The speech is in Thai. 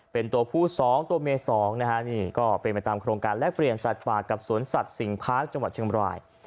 เป็นตัวผู้๒ตัวเม๒นะฮะนี่ก็เป็นไปตามโครงการแลกเปลี่ยนสัตว์ป่ากับสวนสัตว์สิ่งพาร์คจังหวัดเชียงบราย